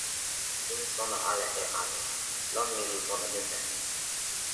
sina sona ala e ale. lon mi li pona mute.